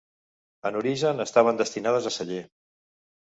En origen estaven destinades a celler.